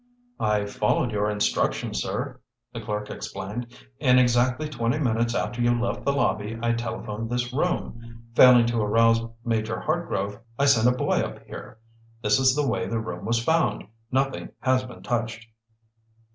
"I followed your instructions, sir," the clerk explained. "In exactly twenty minutes after you left the lobby I telephoned this room. Failing to arouse Major Hartgrove I sent a boy up here. This is the way the room was found. Nothing has been touched."